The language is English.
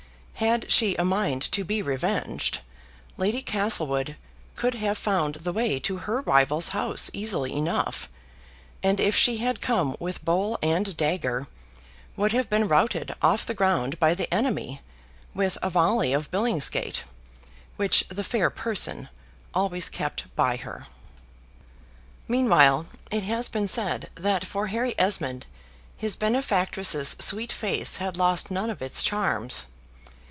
Had she a mind to be revenged, Lady Castlewood could have found the way to her rival's house easily enough; and, if she had come with bowl and dagger, would have been routed off the ground by the enemy with a volley of Billingsgate, which the fair person always kept by her. Meanwhile, it has been said, that for Harry Esmond his benefactress's sweet face had lost none of its charms.